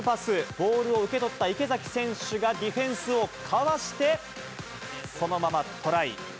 ボールを受け取った池崎選手がディフェンスをかわして、そのままトライ。